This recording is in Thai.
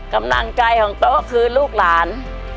กำลังใจของโต๊ะคือลูกหลาน